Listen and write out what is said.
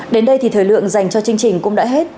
đến đây thì thời lượng dành cho chương trình cũng đã hết